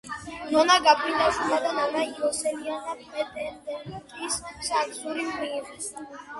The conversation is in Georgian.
ნონა გაფრინდაშვილმა და ნანა იოსელიანმა პრეტენდენტის საგზური მიიღეს.